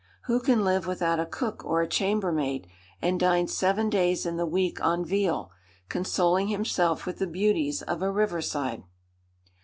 Who can live without a cook or a chambermaid, and dine seven days in the week on veal, consoling himself with the beauties of a river side?